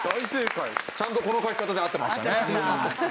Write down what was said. ちゃんとこの書き方で合ってましたね。